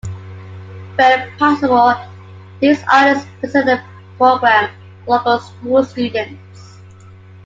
When possible, these artists present a program for local school students.